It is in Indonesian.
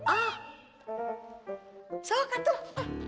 oh suka tuh